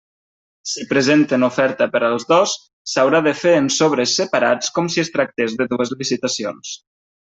Si presenten oferta per als dos, s'haurà de fer en sobres separats com si es tractés de dues licitacions.